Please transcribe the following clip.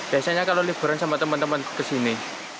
biasanya kalau liburan sama teman teman di sini